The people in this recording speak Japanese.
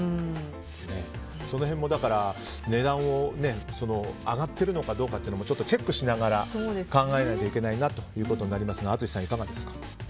その辺も値段が上がってるのかどうかもチェックしながら考えないといけないなということになりますが淳さん、いかがですか？